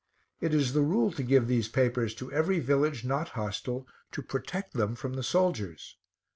It is the rule to give these papers to every village not hostile, to protect them from the soldiers.